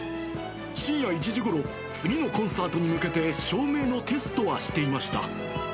深夜１時ごろ、次のコンサートに向けて、照明のテストはしていました。